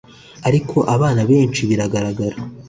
Ariko abana benshi biragaragara